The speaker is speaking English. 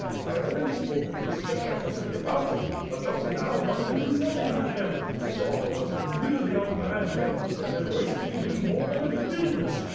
I have already spoken to Skshetuski about it, but just now one can do nothing with him. Sorrow has completely unmanned him, and is wasting him more than an illness.